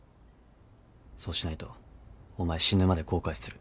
そうしないとお前死ぬまで後悔する。